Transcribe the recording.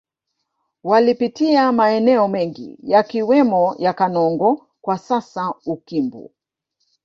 Walipita maeneo mengi yakiwemo ya Kanongo kwa sasa Ukimbu